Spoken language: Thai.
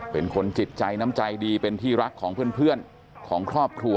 เป็นคนจิตใจน้ำใจดีเป็นที่รักของเพื่อนของครอบครัว